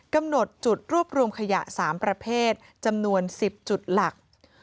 กำหนดจุดรวบรวมขยะ๓ประเภทจำนวน๑๐จุดหลัก